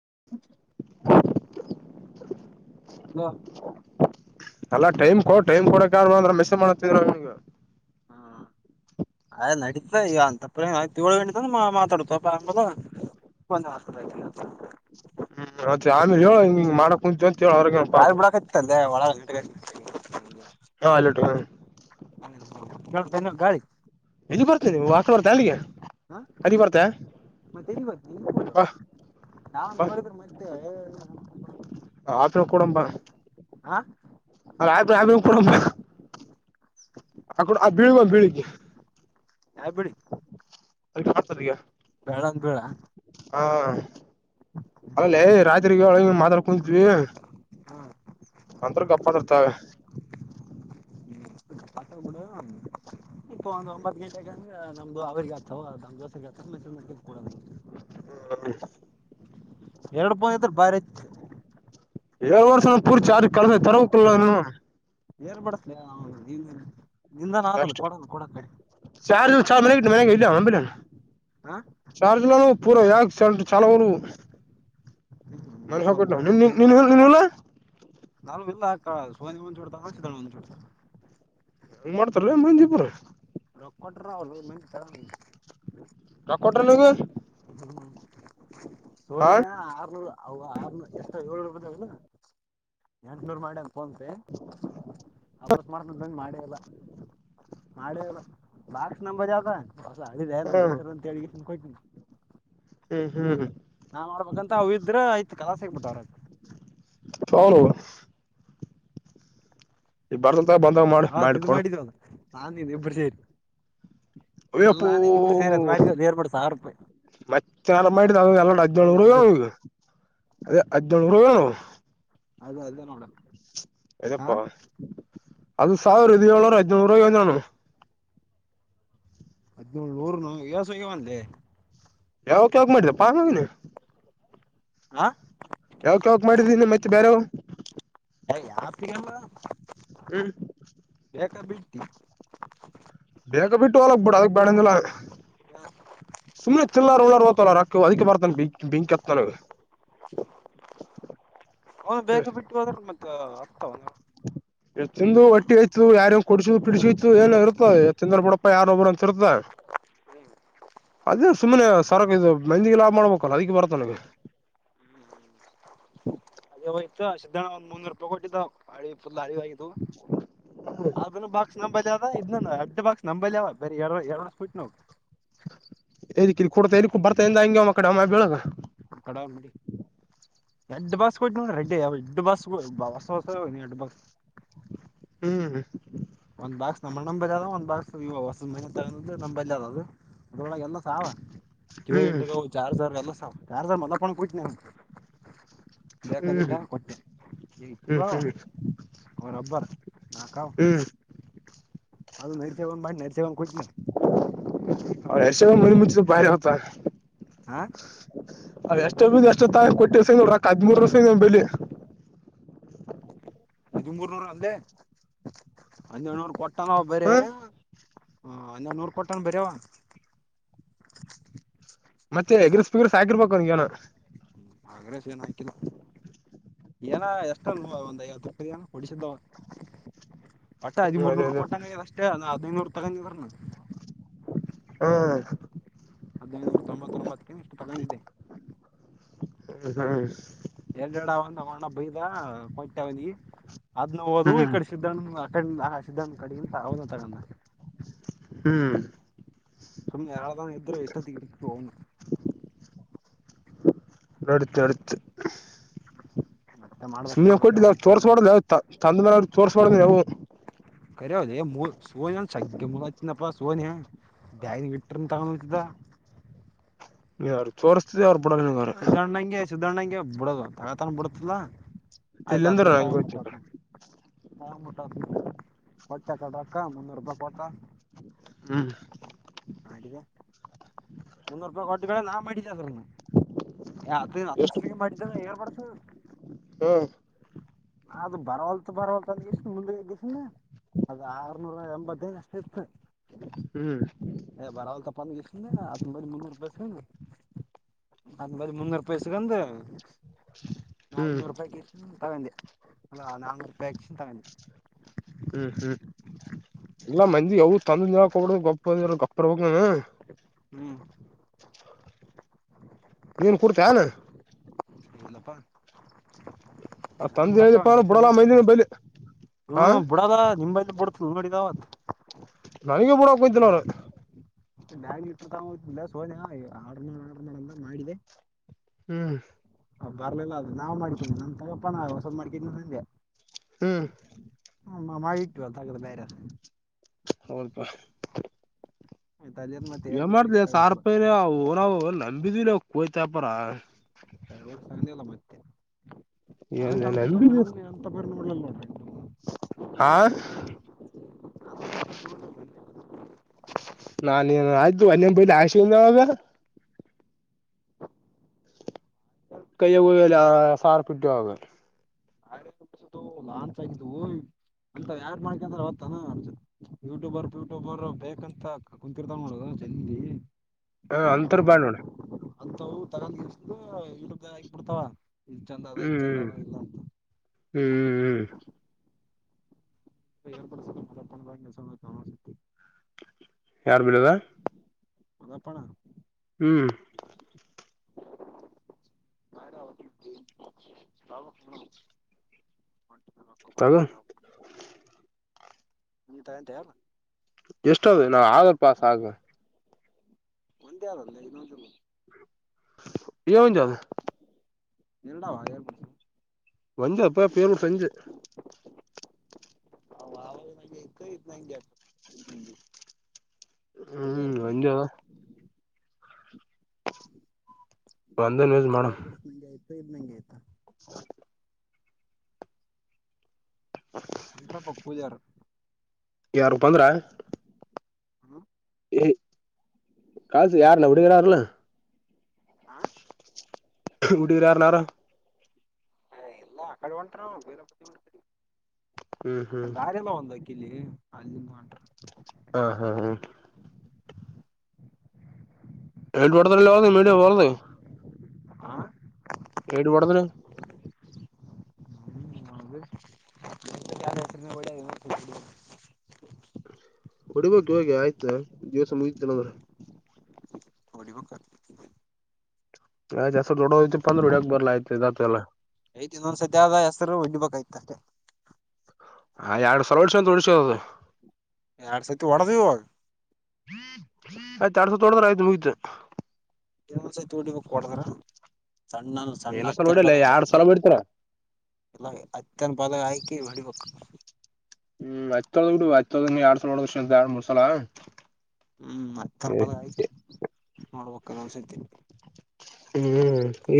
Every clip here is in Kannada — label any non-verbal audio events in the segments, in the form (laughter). (inaudible) ಹ್ಮ ಅಲ್ಲ ಟೈಮ್ ಕೊ ಟೈಮ್ ಕೊಡಕ ಅಂದ್ರ ಮೆಸ ಮಾಡತಿದ್ರಂಗ ಅಯ ನಡೀತ ಈ ಅಂತಪ್ಪ ತಿಗಳ ಮಾ ಮಾತಾಡತಪ್ಪ ಅಂಬಲ್ಲ ಒಂದು ಹದ ಹ್ಮ್ ಮತ್ತೆ ಆಮೇ ಹೇಳ ಹಿಂಗ ಮಾಡ ಕುಂು ಗಾಿ ಬಿಡಕತ್ತ ಅಂದೆ ಒ ಹಾ ಅಲ್ಲಿಟ್ಟು ೇತ ಗಾಳಿ ಎಲ್ಲಿ ಬರ್ತ ನೀವು ವಾಕ ಬರ್ತಾ ಅಲ್ಲಿಗೆ ಅದ ಬರ್ತೆಾ ಮತ್ತೆನ್ಗ ನಿನ್ ಕೂಳ ನಾ ನೋಡ ಮತ್ತೆ ಆತ ಕೊೂಡಂಬ ಹಾ ಅ ಆಡ ಆಡ ಆ ಬೀಳಗೀಳಗ್ ಯಾವ ಬಿಡಿ ಅಲ್ತಯಾ ಬಳಂಗ ಬೇಡ ಹಾ ಅಲ್ಲ ಯ ರಾತ್ರಿಗ ಒಳ ಮಾತಾಡ್ ಕುಂತಿದ್ವಿ ಒತ್ರು ಗಪ್ಪ ಇರ್ತಾವ ಪಟ್ಟ ಮಡ ಇಪ್ಪ ಒಂದ ಒಂಬ್ ಗಂಟೆಗೆ ಅಂದ್ರ ನಮ್ದು ಅವ್ರಗ ಆತವ ನಮ್ ದೋಸಗ್ ಆತವ ಮೆಸರು ಮಕ ಕೊಡದ ಹ್ಮ್ ಎರಡು ಬಂದ ತ್ರ್ರ ಬಾರಿ ಐತಿ ಏಳ್ ವರ್ಷ ಪೂರ್ತಿ ಯಾರ ಕಳಸ ತರಕ್ಕಲ್ಲನು (unintelligible) ಏರ್ ಬಡಸ್ಲ ಹ ನೀ (unintelligible) ಅಷ್ಟ ಚಾರ್ ಚಾರ್ ಮನೆ ಮನ್ಗೆ ಇಲ್ಲಂಬಲ (unintelligible) ಹಾ ಚಾರ್ಜ್ ಪೂರ ಯಾ ಸಂ ಚಾಲ ಬರು ಹ್ಮ್ ಮರ ಹೊಸ ಹಾಕೊಟ್ಟ ನವುನ್ ನೀನ್ ನೀನ್ಲ್ (unintelligible) ನಾ ಎಲ್ಲ ಹಾಕ್ಕ ಸೋನಿ ಒಂದ (unintelligible) ಡ್ತ ಹಸಿದಳ ಒಂದೋಡ್ತ ಹೆಂಗ್ ಮಾಡ್ತಾರ ಮಂದೀಪ್ರ ರಕ್ ಕೊಟ್ಟ ರಾವಲು ಮಂಟ ರೋಖ ಕೊಟ್ರ ನೀವು ಹ್ಮ್ ಸೋನಿಯ ಆರ್ನೂರು ಅ ಆರ್ನೂರು ಎಷ್ಟ ಏಳ್ನೂರು ಬ ಎಂಟನೂರ್ ಮಾಡ ನ್ ವಾಪಸ್ ಮಾಡತ ಬನ್ನ ಮಾಡೇ ಅಲ್ಲ ಮಾಡೇ ಅಲ್ಲ ಬಾರ್ಕ್ಸ್ ನ ಬಜಾವತ ಹೊ ಅಡಿ ನಮ ಹ್ಮ್ ದೋಸರಂದು ತಡಿಗೆಷ ಕೊ (unintelligible) ಹ್ಮ್ ಹ್ಮ್ ಹ್ಮ ನಾನ್ ಮಾಡ್ಬೇಕಂತ ಅವ ಇದ್ರ ಐತ್ ಕಲಸ ಹಕ್ಬಿಟ್ಟವ್ರ ಚಲೋ ಈ ಬರ್ದಲ್ತ್ ಬಂದಾಗ ಮಾಡ ಮಾಡಕೊಡ್ ನಾ ಇಬ್ರು ಸೇರಿ ಅಲ್ಲ ಅಯ್ಯಪ್ಪೋ ನಾನ್ ಇಬ್ರು ಸೇರಿ ಅದು ಮಾಡ ರ್ ಮಾಡ ಸಾವಿರ ರೂಪಾಯಿ ಮತ್ತೆನಾರ ಮಾಡಿದ ಎಲ್ಲಡು ಅದು ಹದಿನೇಳು ಅದು ಹ ಅದೇ ಹದ್ನೇಳು ಅದು ಅದೇ ನೋಡೋಣ ಎದೆಪ್ಪಾ ಅದು ಸಾವಿರ ಇ ಏಳ್ಳೂರ ಐನೂರು ರೂಯಿಂದಾನು ಹದಿನೇಳು ನೂರುನು ಯಸಯ್ಯವ ಅ ಯಾವಕ್ ಯಾವಕ್ ಮಾಡಿದಪ್ಪಾಂಗಿನಿ ಹಾ ಯಾವಕ್ ಯಾವಕ್ ಮಾಡಿದೀನ ಮತ್ತೆ ಬೇರೆವ್ ಯ ಯ ಪಿಯಂಗ ಹ್ಮ ಯ ಬಿಡ್ ಬೇಕ ಬಿಟ್ಟು ಹೊಲಕ್ ಬಿಡ ಅದಕ್ ಬ್ಯಾಡಿಂದಲ ಸುಮ್ಮನೆ ಚಲ್ಲ ಉ ತಲ್ಲ ರಕ್ಕ ಅದಕ್ಕೆ ಬರ್ತಾನ ಬಿಂ ಬಿಂತ್ನ (inaudible) ಅವನು ಬೇಗ ಬಿಟ್ಟು ಹೋದ್ರ ಮತ್ತ ಆಗ್ತವನು ಹ ಎ ತಿಂದು ಒಟ್ಟಿ ಆಯ್ತ ಯಾರಂಗ ಕುಡಸು ಪ ಬಿಡಸುಯಐ ಏನ ಇರುತ್ತೋ ಎ ತಿದಂದ್ರ ಬಿಡಪ್ಪಾ ಯಾರೊಬ್ಬ್ರ ರ್ತ ಅದ ಸುಮ್ಮನೆ ಸರಕ್ ಇದು ಮೆಂದಿಗೆ ಲಾಭ ಮಾಡ್ಬೇಕಲ್ಲ ಅದಕ್ಕೆ ಬರುತ್ತ ನಗೆ ಅದಯ್ತ ಸಿದ್ಧಣ್ಣ ಒಂದ ಮುನ್ನೂರು ರೂಪಾಯಿ ಕೊಟ್ಟಿದ್ದಳಿ ಆ ಬಾಕ್ಸ್ ನಂಬಲ್ಲಿದ ಇದ ಅಡ್ಡ ಬಾಕ್ಸ್ ನಂಬಲ್ಲಿವ ಬೇ ಎರಡು ಎರಡ್ ವರ್ಷ ಕುುಟ್ಟು ನೋವು ಕೊಡತ ಇಕ್ಕ ಬರ್ತಾ ಇ ಹಂಂಗ ಅವಮ್ಮ ಕಡೆಮ್ಮ ಬೆಳಗ್ ಕಡಾವಡಿ ಎ ಬಸ್ ರ ಎಡ್ ಬಸ್ ಬ ಎ ಬ ಹ್ಮ್ ಒಂದ್ ಬಾಕ್ಸ್ ನಮ್ಮ್ ಅಣ್ಣನ ಬಲ್ಲಿ ಅದ ಒಂದ್ ಬಾಕ್ಸ್ ಇವ ಹೊಸದ ದಮನ್ನಿ ತಗೊಂಡದ್ ನಂಬಲ್ಲಿ ಅದ ಅದು ಅದ್ರೊಳಗೆ ಎಲ್ಲ ಸಾವ ಕಿಲ ಹ್ಮ್ ಗಿಟ ಚಾರ್ಜರ್ ಎಲ್ಲ ಸಾವ ಚಾರ್ಜರ್ ಮ ಕುನ ಹ್ಮ್ ಬದ ಕೊಟ್ಟೇನೆ ಹ್ಮ್ ಪವಾ ಹ್ಮ್ ರಬ್ಬರ್ ನಾಕಾಾವ ಹ್ಮ್ ಅದು ನರಿಚೇವ ಬ ನರಿಚೇವ ಕೊ ಅವ ಯಶ ಮಂದಿ ಮುಂಚ ಭಾರಿ ಆತಾ ಹ ಅದ ಎಷ್ಟ ಬಂದ ಎಷ್ಟು ತ ಕೊಟ್ಟಿಸಾಕ್ ಹದ್ರು ವರ್ ಬೆ ಹದಿಮೂರುನೂರು ಅಂದೆ ಹದಿನೇಳುನೂರ ಕೊಟ್ಟ. ಕೊಟ್ಟನವ್ ಬರೇ ಹ ಹಾ ಹನ್ನೊಂದುನೂರು ಕೊಟ್ಟನ ಅವ ಬರೇ. ಮತ್ತೆ ಎಗ್ ರೈಸ್ ಪಿಗ್ ರೈಸ್ ಅವನಿಗೇನೋ. ಹಾ ಎಗ್ ರೈಸ್ ಏನಾಯ್ಕಿಲ್ಲ ಏನ ಎಷ್ಟನು ಒಂದ್ ಐವತ್ತು ರೂಪಾಯ ಏನ ಕೊಡಿಸಿದ್ದವ. ಒಟ್ಟ ಹ್ಮ್ ಅದೇ ಹದಿಮೂರ್ನೂರ್ ಅದೇ ಕೊಟ್ಟಂಗೈದ ಅಷ್ಟೇ ಅ ಹದಿನೈದು ನೂರು ತಗೊಂಡಿದ್ದರೂನೂ. ಹಾ ಹದಿನೈದುನೂರುತೊಂಬತ್ತೊಂಬತ್ತ ಕೇನ್ ತಗೊಂಡಿದ್ದೆ. ಹ್ಮ್ ಎಲ್ಲಿ ಇಡವ ನಮ್ಮ ಅಣ್ಣ ಬೈದ ಕೊಟ್ಟೆ ಅವನಿಗೆ ಅದ್ನ ಹೋದು ಈ ಹ್ಮ್ ಕಡೆ ಸಿದ್ದಣ್ಣ ಅಟೆಂಡ್ ಅ ಸಿದ್ಧ ಕಡೆಗಿಂತ ಅವ್ನು ತಗೊಂಡನ. ಹ್ಮ್ ಸುಮ್ನೆ ಯಾವದನ ಇದ್ರ ಇಷ್ಟೊತ್ತಿಗೆ ಇರ್ತಿದ್ವೋ. (unintelligible) ಮತ್ತೆ ಮಾಡ್ಬೇಕ್ ಸುಮ್ನೆ ಮಾಡ್ಬೇಕ್ ಕೊಟ್ಟಿದ್ದಿ ಅವ ಯಾವ್ದನ ತೋರಿಸಬರ್ದ ಲೆ ಅವಕ್ ತಂದ ಮ್ಯಾಲ ಅವ್ರಿಗೆ ತೋರಿಸಬರ್ಡು ನೀ ಯಾವು. (unintelligible) ಬ್ಯಾಗಿನ್ ಆಗ ಇಟ್ರುನು ತಗೊಂಡು ಹೋಗ್ತಿದ್ದ. ನೀ ಅವರಿಗೆ ತೋರುಸ್ತೀದೀ ಅವರು ನಿನಗೆ ಬುಡಲ್ಲ ಅವರು. (unintelligible) ಅಣ್ಣ ಹಿಂಗೇ ಬುಡಲ್ಲ ತಗೋತನ ಬುಡುತ್ತಿದ್ದಲ್ಲ ಆಯ್ತು ಇಲ್ಲಿಂದ್ರ ಆತಗೆ ಹಂಗೆ ಹೋಯ್ತು ತಕೊಂಬಿಟ್ಟ. (inaudible) ಅಕ್ಕ ಮುನ್ನೂರು ರೂಪಾಯಿ ಪಟ ಹ್ಮ್ ಮಾಡಿದ್ದ ಮುನ್ನೂರು ರೂಪಾಯಿ ಕೊಟ್ಟು ಕಡೆ ನಾ ಮಾಡ್ರ ಅದು ಅತ್ತನ ಸಲ ಏರ್ಪಡಸ (unintelligible) ಹ್ಮ್ ಅದು ಬರವಲ್ ತ ಬರವಲ್ತ ಮುಂದ (unintelligible) ಅದ ಆರ್ನೂರ ಎಂಬತ್ತ ಎಷ್ಟ ಇತ್ತು. ಹ್ಮ್ ಹ ಬಾರಾವಲ್ಲ ತಪ್ಪಾನಿಸ ಆತ ಬ ಮುರು ಬಸನು (unintelligible) ನಂದ ಬಳೆ ಮುನ್ನೂರು ರೂಪಾಯಿ ಸಿಗಂತ ನಾ ಹ್ಮ್ ಐನೂರು ರೂಪಾಯಿ ತಗಿ ಅಲ್ಲ ನಾಾನೂರು ರೂಪಾಯಿ ಹಕ್ಷನ್ ತಗಿ ಹುಂ ಹುಂ ಇಲ್ಲಾ ಮಂದಿ ಯಾವ ತಂದಬಡ ಗಪ್ಪರೆ ಗೊಪ್ಪರ್ ಹ್ಮ್ ನೀನ್ ಕುಂಡತಿ ಯಾನು ನ್ನಪ್ಪ (unintelligible) ಆ ತಂದೆ ಹೇಳಪ್ಪ ಬಿಡಲ್ಲ ಮೈ ದಿನ ಬಲಿ. ಹ್ಮ ಬಿಡದ ನಿಂಬ ಎಲ್ಲಿ (unintelligible) ಬಿಡ್ತಂದಗಡಿದಾವತ್ ನನಗ ಬೂಡಕ್ತನ ಅವನು ಗಾಳ್ಗಿಟ್ಟಿರ್ ತಾವ (unintelligible) ಆರ್ಡರ್ ಮಾಡ ಆರ್ಡರ್ ಮಾಡಂತ ಮಾಡಿದೆ ಹುಂ ಬರ್ಲಿಲ್ಲ ಅದು ನಾವ ಮಾಡ್ಕಿದೀ ನನ್ ತಗೋಪ್ಪಣ ಹೊಸದ್ ಮಾಡ್ಕಿದನಿ ನಂದೆ ಹ್ಮ್ ಹ ಮಾಡಿ ಇಟ್ಟು ದಗದ ಬೇರೆ ಅದ ಹೌದ ಪ್ಪಾ ಆಯ್ತು ಅದೇನು ಮತ್ತೆ ಏನ್ ಏರ್ಪಡ್ಸ್ ಮಾಡ್ತ ಸಾವಿರ್ ತಗೊಂಡಿಲ್ಲ ರೂಪಾಯಿ ರಾವ ಊರಾ ನಂಬಿದ್ವಿಲ್ಲ ಅವ ಕೋಯ್ತ ಅಪಾರ ೋಲ್ಲ ಮತ್ತೆ ಅ ಅಂತ ನಾನುಂತ ಬ ನೋಡ್ಲ ನೋಡ ಹ ನಾನು ಆಯ್ತು ಅಲ್ಲಿ ಬ ಆಶು (unintelligible) ಕೈಯ ಸಾರು ಪಿಟ್ಟು ಆಗಲ್ಲಾ (unintelligible) ಅಂತ ಯಾರ್ ಮಾಡ್ಕಂದ್ರ ಅವತ್ತನಾ ಅರ್ಜ ಯೂಟ್ಯೂಬರ್ ಪ್ಯೂಟ್ಯೂಬರ್ ಬೇಕಂತ ಕುಂತಿರ್ತ ನೋಡುದು ಚನ್ನ ರ (unintelligible) ಹ ಅಂತರು ಬ್ಯಾಡ್ ನೋಡ ಅಂತವು ತಗೊಂಡು ಇ್ದ ಆಕ ಬಿಿಡ್ತಾವ ಇ ಚಂದ ಅದ ಇ ಚಂದ ಹ್ಮ್ ಅದ ಇಲ್ಲ ಅಂತ ಹ್ಮ್ ಹ್ಮ್ ಪಡ್ ಮ ತ ಭ ಸಮ ಯಾರ್ ಬೀಳದ ಹಂಗಪ್ಪಣ ಹ್ಮ್ ತಾವ ತಾಗ ನಿತಂತಲ್ಲ ಎಷ್ಟ ಅದು ನಾವವು ಆಧಾರ್ ಪಾಸ್ ಆಗುವ ಒಂದೇ ಅಂದ ಇನ್ನೊ ಚಲ ಏವನು ಜಾದ ಎಲ್ಲಾವ ಏಾರ ಮಡಸ ಒಂದ ಅಪ್ಪ ಪರು ಸಂಜೆ ವ ಇ ಇಗೆಗೆ ಹ್ಮ್ ಒಂದ ಅಳಿಯಾರ್ಕಣ ಒಂದೇ ಯೂಸ್ ಮಾಡೇಡಮ ಹಳಿಯಾರ್ ಬಡ ನಂಗೆ ಆಯ್ತು ಇದ್ ನಂಗೆ ಆಯತಾ (inaudible) (inaudible) ಅಂ್ರಪ್ಪ ಪೂಜಾರ ಯಾರು ಪಂದ್ರ ಹ್ಮ ಕಸು ಯಾರನ್ನ ಅಡಗರಾರಲ್ಲ ಆ ವಊಟಿಗೆರ ಯಾರನಾರು ಅ ಕಡೆ ಒಂಟರ ಅವ ಬರ ಹ್ಮ್ ಅಡೆ ಹ್ಮ್ ದಾರಿ ಎಲ್ಲ ಒಂದೋಗ ಅಲ್ಲಿ ಮಾಡ ಹಾ ಹಾ ಹ್ಮ್ ಹೇಡ್ ಒರ್ತಲ್ಲದು ಮೀಡಿಯಮ ಬದು ಆ ಏಡುಬಡದನೆ ಯಳ ಹೊಡಿಬೇಕ ಹೋಗೆ ಆಯ್ತಾ ದಿವಸ ಮುಗಿತನಂದ್ರ ಡಿಬುಕ್ ಆ್ ಜಸ್ತ್ರ ದೊಡ್ಡೋಯ್ತಿ ಪಂದ್ರ ಹಡಿಯಕ್ ಬರ್ಲಾಯ್ತೆ ದಾತ ಎಲ್ಲ ಐ್ತಿ ಇೊಂದ್ಸತ್ಯ ಆದ ಹೆಸ್ರು ಹೊಡ್ಡಿಬೇಕಾಯ್ತ ಅಷ್ಟ ಹಾ ಯಡು ಸಲೋಡ್ಸ ತೋಡಶ ಎರಡ್ ಸತಿ ಒಡದು ಇುವಾಗ ತೊಡದರ ಆಯ್ತು ಮುಗತ್ ಒಸಟಬೇಕಕ್ ಕೊಡದ್ರ ಸಣ್ಣ ಸಣ್ಣ ಏನ ಸಲ ಹತ್ತನ ಹೊಡಿಯಲ್ಲ ಪದ ಎರಡ್ ಹಾಕಿ ಸಲ ಹೊಡಿತಾರ ಎಲ್ಲ ಅತ್ಯಂತ ಬಲಿ ವ ಹ್ಮ್ ಅಯತ್ ತೊಳದ್ ಬಿಡು ಅತ್ತೊಳ ನೀ ಎರಡ್ ಸಲಲ್ ನೋಡ ಎಡ್ ಮೂರ್ ಸಲ ಹ್ಮ್ ಮತ್ತ ಹ್ಮ್ ತನಪದ ಆಯ್ತ ನೋಡ್ಬೇಕ ಒಂದಸತಿ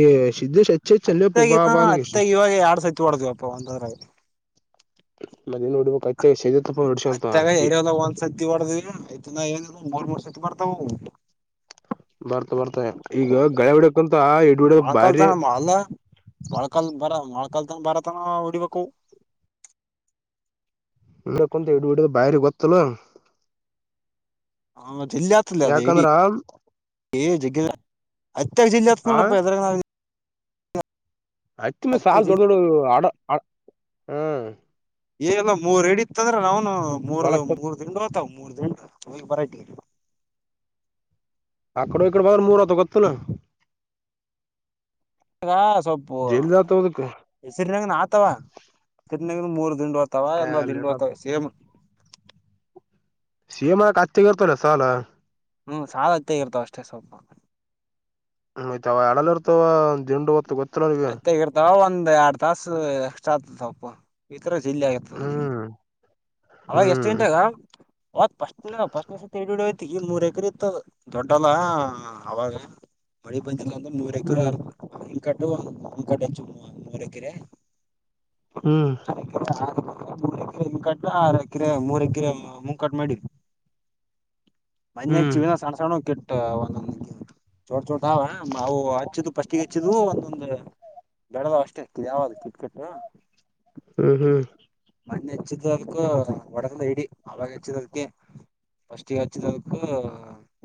ಏ ಸಿದ್ದೇಶ್ ಹಚ್ಚ ಹಚ್ಚ ಅಲ್ಲೇ ಪಾಪ ಅತ್ತಗಿನ ಬಂದ ಅತ್ತಾಗಿ ಇವಾಗ ಎಡು ಸತ್ತು ಮಾಡಡ್ದ್ವಪ್ಪ ಒಂದು ಹದ ಆಯ್ತು ಮದ ನೋಡ್ಬೇಕ ಆಯ್ತು ಅತ್ತಾಗ ಎರಿಯಲ್ಲ ಹೊಲ್ಸತ್ತತಿ ಹೊಡದ್ ಐ್ ಏ ಬಬಸ ತುಂಬಾರ ತ ಹ ಬರ್ತ ಬರ್ತ ಮ ಈಗ ಗಳ ಹಡಕಂತ ಹಿಡ್ಬಿಡ ಬಾರಿ ಮೊಳಕಾಲ್ತನ ತಕ್ಕಾಲ ಭಾರತನ ಓಡಿವಕ್ಕು ಇ ಕುಂತ ಹಿಡ್ಬಿಡ ಬೈರೆ ಗೊತ್ತಲ್ಲ ಹೌ ಯಾಕಂದ್ರ ಏ ಜಗ್ ಅತ್ಯ ಜಿಲ್ಲೆತ್ ಆ ನೋಡಪ್ಪ ಎದರಾಗ ನಾವ ಅತ್ತು ಮ ಹತ್ತು ದಿನ ಸಾಲ ೊಡ ೊಡ ಅಡ ಹ್ಮ್ ಏಲ್ಲ ಮೂರ್ ರಡಿ ಇತ್ ಅಂದ್ರ ನ್ನು ಮೂರ್ ಹೊಲಕ್ ಮೂರ್ ದಂಡ ಅತ ಅವ ಮೂರ್ ದಿನ ಹ ಬರತ ಅಡೆ ಇಕಡೆ ಬ ಮೂರತಗತು ನ ಆಗ ಸ್ವಲ್ಪ ಜಲ್ದಿ ಆತದಕ್ ಹೆಸರಿನಂಗನ ಆತವ ಸರಿನಂಗ ಮೂರು ದಂಡ ತವಾ ಎಲ್ಲ ದಿಂಡು ಲೇಟ್ ಅತ ಆತ ಸೇಮ್ ಗರ್ತಲ್ಲ ಸಾಲ ಹ್ಮ್ ಸಾಲತ್ತೇ ಇರ್ತವ ಅಷ್ಟೇ ಸ್ವಲ್ಪ ಹ್ತಾವ ಅಡಲ್ಲಿ ಇರ್ತವ ದಿಂಡು ಹೊತ್ತು ಗೊತ್ತ ಅಯ್ಗಿರ್ತಾವ ಒ ಒಂದ್ ಎರಡ್ ತಾಸ ಎಕ್ಸ್ಟ್ರಾ ಆಗ್ತದೆ ತಪ್ಪ ಈ ತರ ಜಲ್ಲಿ ಆಗತದೆ ಜಲ್ಲಿ ಹ್ಮ್ ಅವಾಗ ಎಷ್ಟ ಹ್ಮ್ ತಿಂಟಗ ಹೊತ್ ಪಫಸ್ಟ್ ಪಫಸ್ಟ್ ಸ ಹಯ್ತಿ ಈ ಮೂರ್ ಎಕರ್ ಇರ್ತದ ದೊಡ್ಡಲ್ಲ ಅವಾಗ ಮಳಿ ಇಂದು ನೂರು ಎಕರ ಹ್ಮ್ ಹಕಟಕಟ ನೂರು ಎಕರೆ ಹ್ಮ್ ಹ್ಮ್ ಆ ಮೂ ಕ್ರ ಕ ಆರ ಎಕಿರೆ ಮೂರ ಎಕಿರೆ ಮುಂಕಟ್ ಮಾಡಿ ಮನ್ನ ಹ್ಮ್ ಹೆಚ್ಚಿವಿನ ಸಣ್ಣ ಸಣ್ಣ ಕೆಟ್ಟ ಅವಂದ ಚೋಟ್ ಚೋಟ್ ಹ ಮಾವು ಹಚ್ಚಿದ ಪಫಸ್ಟಿಗೆ ಹಚ್ಚಿದ್ ಒಂದೊಂದು ಬೆಡದಾವ ಅಷ್ಟೇ ಯಾವದು ಕಿಟ್ ಕಿಟ್ಟ ಹ್ಮ್ ಹ್ಮ್ ಮಣ್ಣಿ ಹೆಚ್ಚಿದದಕ ಒಡಗದ ಇಡಿ ಅವಾಗ ಹೆಚ್ಚಿದದಕ ಫಸ್ಟ್ಗ ಹಚ್ಚಿದದಕ್ಕೂ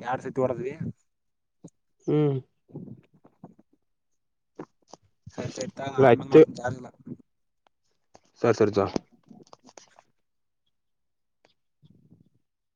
ಎರಡ್ ಸತಿ ಹೊಡದ್ವಿ ಹ್ಮ್ ಸರಿ ಸರಿ ತಗ ಇಲ್ಲ ಆಮ್ಯಲೆ ಮಾಡ್ತನ್ ಜಾರ್ಲ್ಲಾ ಸ ಸರ್ಜಾ